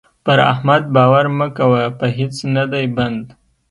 پر احمد باور مه کوه؛ په هيڅ نه دی بند.